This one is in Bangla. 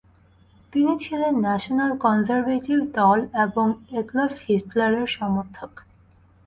তিনি ছিলেন ন্যাশনাল কনজার্ভেটিব দল এবং এডলফ হিটলারের সমর্থক।